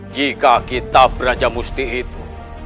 jika kita berjamusti itu